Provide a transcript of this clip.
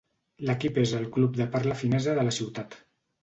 L'equip és el club de parla finesa de la ciutat.